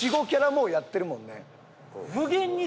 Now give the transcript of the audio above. もうやってるもんね。